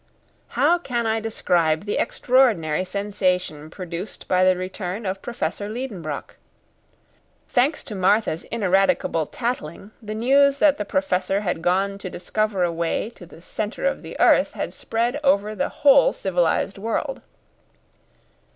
How can I describe the extraordinary sensation produced by the return of Professor Liedenbrock? Thanks to Martha's ineradicable tattling, the news that the Professor had gone to discover a way to the centre of the earth had spread over the whole civilised world.